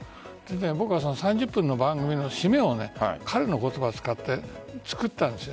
僕はその３０分の番組の締めを彼の言葉を使って作ったんですよ。